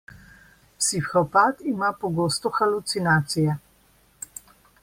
Psihopati ima pogosto halucinacije.